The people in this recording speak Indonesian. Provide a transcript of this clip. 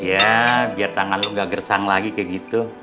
ya biar tangan lu gak gersang lagi kayak gitu